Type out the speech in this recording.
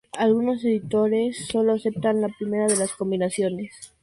Algunos editores sólo aceptan la primera de las combinaciones.